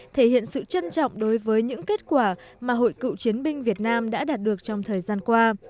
thể hiện sự trân trọng đối với những kết quả mà hội cựu chiến binh việt nam đã đạt được trong thời gian qua